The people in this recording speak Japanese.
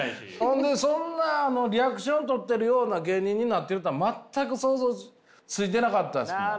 ほんでそんなリアクション取ってるような芸人になってるとは全く想像ついてなかったですもん。